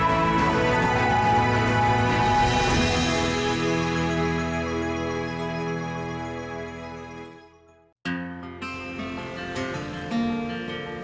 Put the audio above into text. apakah peng legsuara agar dunia berat